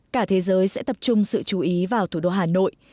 cả thế giới sẽ tập trung sự chú ý vào thủ đô hà nội